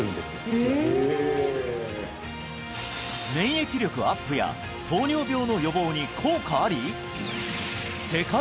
免疫力アップや糖尿病の予防に効果あり！？